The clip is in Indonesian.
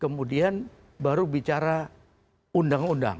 kemudian baru bicara undang undang